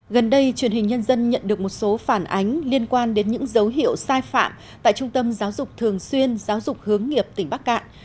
gần đây truyền hình nhân dân nhận được một số phản ánh liên quan đến những dấu hiệu sai phạm tại trung tâm giáo dục thường xuyên giáo dục hướng nghiệp tỉnh bắc cạn